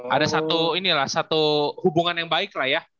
ada satu inilah satu hubungan yang baik lah ya